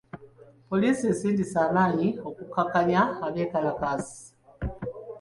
Poliisi esindise amaanyi okukakkanya abeekalakaasi.